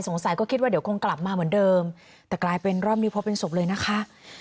สงสัยก็คิดว่าเดี๋ยวคงกลับมาเหมือนเดิมแต่กลายเป็นรอบนี้พบเป็นศพเลยนะคะ